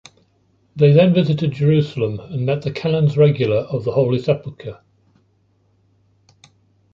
Then they visited Jerusalem and met the Canons Regular of the Holy Sepulchre.